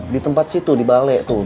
di tempat situ di balai